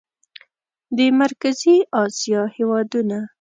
د مرکزي اسیا هېوادونه